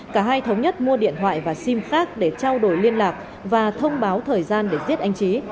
cả hai thống nhất mua điện thoại và sim khác để trao đổi liên lạc và thông báo thời gian để giết anh trí